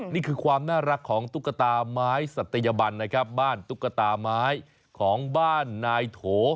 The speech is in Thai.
นี่คือความน่ารักของตุ๊กตาไม้สัตยบันนะครับบ้านตุ๊กตาไม้ของบ้านนายโถ